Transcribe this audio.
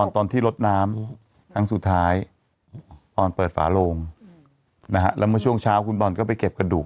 ตอนที่ลดน้ำครั้งสุดท้ายอ่อนเปิดฝาโลงนะฮะแล้วเมื่อช่วงเช้าคุณบอลก็ไปเก็บกระดูก